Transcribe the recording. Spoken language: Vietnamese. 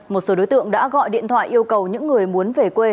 một số đối tượng đã gọi điện thoại yêu cầu những người muốn về quê